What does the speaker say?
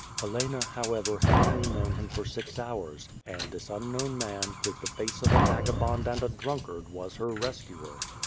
Helena, however, had only known him for six hours; and this unknown man, with the face of a vagabond and a drunkard, was her rescuer.